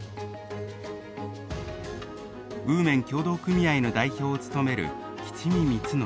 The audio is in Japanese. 温麺協同組合の代表を務める吉見光宣。